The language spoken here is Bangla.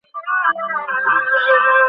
তিনি এর অফিসেই থাকা শুরু করেন।